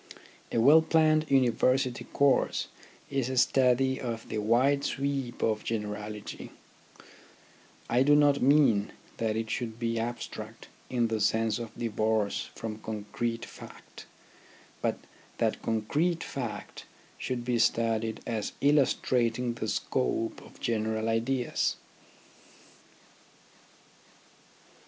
A well planned University course is a study of the wide sweep of generality, I do not mean that it should be abstract in the sense of divorce from concrete fact, but that concrete fact should be studied as illustrating the scope of general ideas.